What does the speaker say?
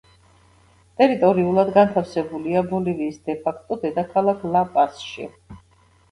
ტერიტორიულად განთავსებულია ბოლივიის დე-ფაქტო დედაქალაქ ლა-პასში.